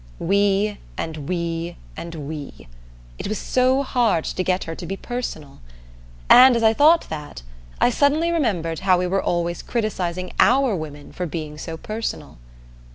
"We" and "we" and "we" it was so hard to get her to be personal. And, as I thought that, I suddenly remembered how we were always criticizing our women for being so personal.